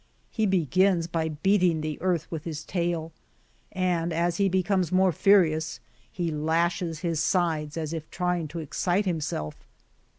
He begins by beating the earth with his tail ; and as he becomes more furious, he lashes his sides, as if trying to excite himself.